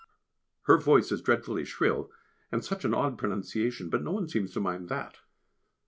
Her voice is dreadfully shrill, and such an odd pronunciation, but no one seems to mind that.